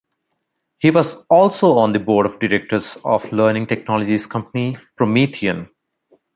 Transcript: He was also on the board of directors of learning technologies company Promethean.